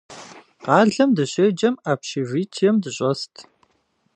Къалэм дыщеджэм общежитием дыщӏэст.